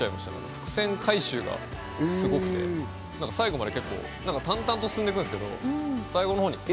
伏線回収がすごくて、最後まで結構、淡々と進んでいくんですけど、最後のほうにえ？